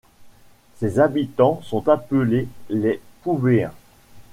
Ses habitants sont appelés les Poubéens.